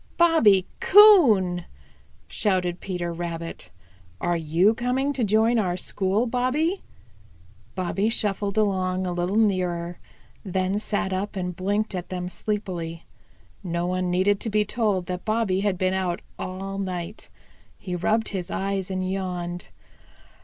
"Bobby Coon!" shouted Peter Rabbit. "Are you coming to join our school, Bobby?" Bobby shuffled along a little nearer, then sat up and blinked at them sleepily. No one needed to be told that Bobby had been out all night. He rubbed his eyes and yawned.